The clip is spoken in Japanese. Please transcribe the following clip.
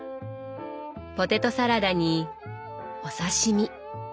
ポテトサラダにお刺身。